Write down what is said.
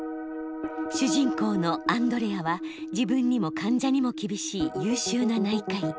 主人公のアンドレアは自分にも患者にも厳しい優秀な内科医。